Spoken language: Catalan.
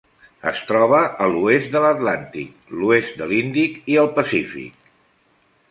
Es troba a l'oest de l'Atlàntic, l'oest de l'Índic i el Pacífic.